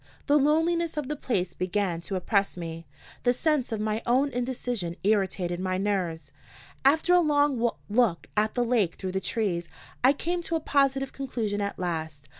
The loneliness of the place began to oppress me. The sense of my own indecision irritated my nerves. After a long look at the lake through the trees, I came to a positive conclusion at last.